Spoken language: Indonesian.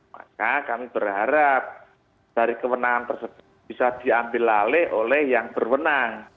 maka kami berharap dari kewenangan tersebut bisa diambil alih oleh yang berwenang